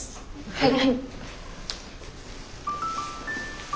はい。